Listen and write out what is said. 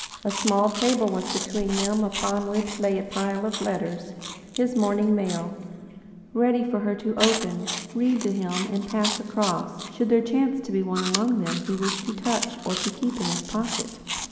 A small table was between them, upon which lay a pile of letters his morning mail ready for her to open, read to him, and pass across, should there chance to be one among them he wished to touch or to keep in his pocket.